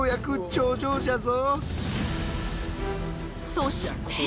そして。